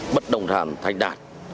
bất đồng sản thanh đá